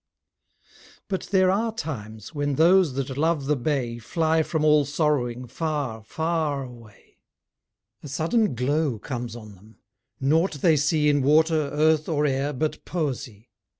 But there are times, when those that love the bay, Fly from all sorrowing far, far away; A sudden glow comes on them, nought they see In water, earth, or air, but poesy.